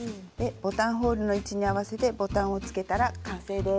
ボタンホールの位置に合わせてボタンをつけたら完成です。